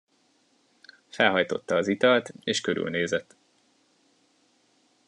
Felhajtotta az italt és körülnézett.